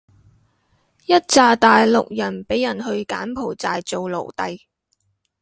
一柞大陸人畀人去柬埔寨做奴隸